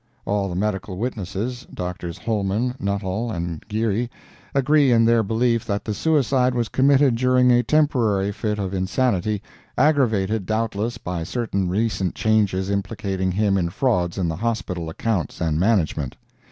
All the medical witnesses, Drs. Holman, Nuttall and Geary, agree in their belief that the suicide was committed during a temporary fit of insanity, aggravated doubtless by certain recent charges implicating him in frauds in the Hospital accounts and management.